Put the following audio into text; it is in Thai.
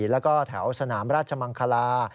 แล้วก็แถวสนามราชมังคลา